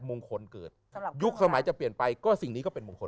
มงคลเกิดสำหรับยุคสมัยจะเปลี่ยนไปก็สิ่งนี้ก็เป็นมงคล